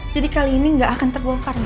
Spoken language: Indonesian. jadi kali ini gak akan terbongkar ma